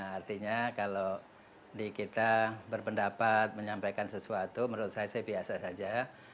artinya kalau kita berpendapat menyampaikan sesuatu menurut saya sih biasa saja